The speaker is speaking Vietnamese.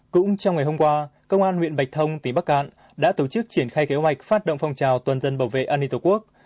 cũng trong ngày hôm qua công an huyện bạch thông tỉnh bắc cạn đã tổ chức triển khai kế hoạch phát động phong trào toàn dân bảo vệ an ninh tổ quốc